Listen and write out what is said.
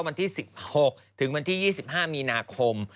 วันที่๑๖๒๕มีนาคม